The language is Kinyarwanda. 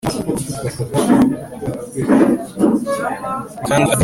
kandi agafata ifunguro riboneye